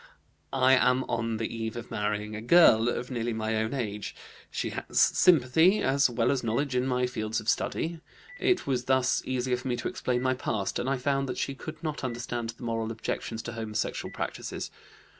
"I am on the eve of marrying a girl of nearly my own age. She has sympathy as well as knowledge in my fields of study; it was thus easier for me to explain my past, and I found that she could not understand the moral objections to homosexual practices.